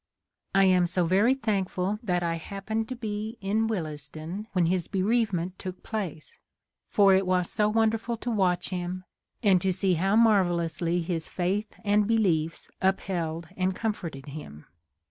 I am so very thank ful that I happened to be in Willesden when his bereavement took place, for it was so wonderful to watch him, and to see how mar vellously his faith and beliefs upheld and comforted him.